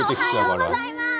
おはようございます。